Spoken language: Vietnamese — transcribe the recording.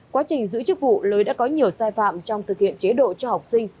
quá trình giữ chức vụ lưới đã có nhiều sai phạm trong thực hiện chế độ cho học sinh